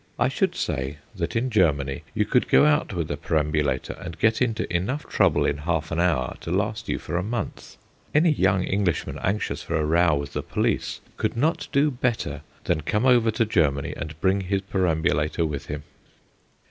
I should say that in Germany you could go out with a perambulator and get into enough trouble in half an hour to last you for a month. Any young Englishman anxious for a row with the police could not do better than come over to Germany and bring his perambulator with him.